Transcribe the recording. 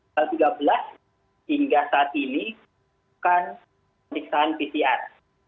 tanggal tiga belas hingga saat ini bukan pemeriksaan pcr